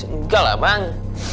enggak lah bang